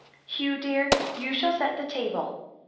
Hugh dear, you shall set the table.